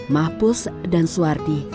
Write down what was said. mahpus dan suwardi